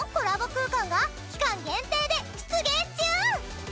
空間が期間限定で出現中！